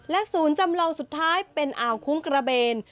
ศูนย์จำลองสุดท้ายเป็นอ่าวคุ้งกระเบน